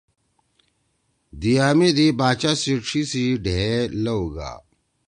دیِا می دی باچا سی ڇھی ڈھئے ئے لؤ گا۔